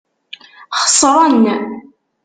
Xeṣṛen.